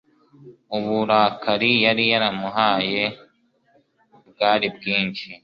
uburakari, yari yaramuhaye bwari bwinshi